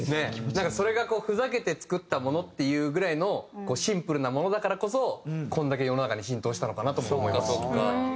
なんかそれがふざけて作ったものっていうぐらいのシンプルなものだからこそこれだけ世の中に浸透したのかなとも思いますし。